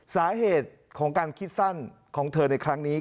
สาเหตุของการคิดสั้นของเธอในครั้งนี้